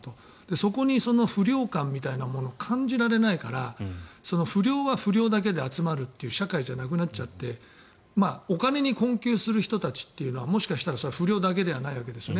そこに不良感みたいなものを感じられないから不良は不良だけで集まるという社会じゃなくなっちゃってお金に困窮する人たちというのはもしかしたら不良だけではないわけですよね。